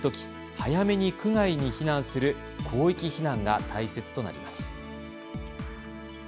早めに区外に避難する広域避難が大切となります。